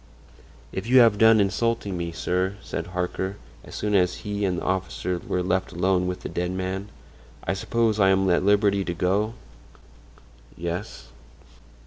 "If you have done insulting me, sir," said Harker, as soon as he and the officer were left alone with the dead man, "I suppose I am at liberty to go?" "Yes."